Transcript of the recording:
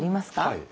はい。